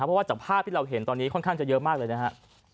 เพราะว่าจากภาพที่เราเห็นตอนนี้ค่อนข้างจะเยอะมากเลยนะฮะ